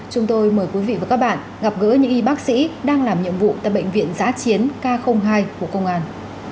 chúng tôi mời quý vị và các bạn gặp gỡ những y bác sĩ đang làm nhiệm vụ tại bệnh viện giã chiến k hai của công an